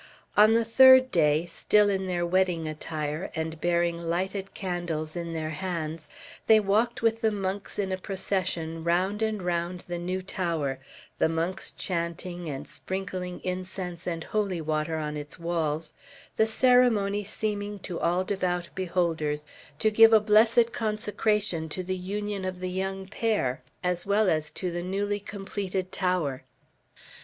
On the third day, still in their wedding attire, and bearing lighted candles in their hands, they walked with the monks in a procession, round and round the new tower, the monks chanting, and sprinkling incense and holy water on its walls, the ceremony seeming to all devout beholders to give a blessed consecration to the union of the young pair as well as to the newly completed tower.